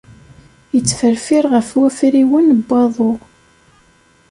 Ittferfir ɣef wafriwen n waḍu.